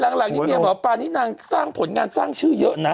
หลังนี้เมียหมอปลานี่นางสร้างผลงานสร้างชื่อเยอะนะ